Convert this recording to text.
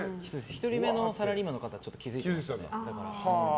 １人目のサラリーマンの方は気づいてて。